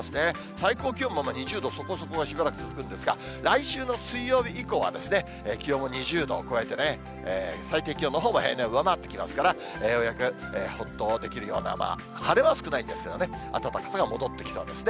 最高気温も２０度そこそこしばらく続くんですが、来週の水曜日以降は気温も２０度を超えて、最低気温のほうが平年を上回ってきますから、ようやくほっとできるような晴れは少ないですけどね、暖かさが戻ってきそうですね。